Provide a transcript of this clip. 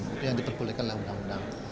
itu yang diperbolehkan oleh undang undang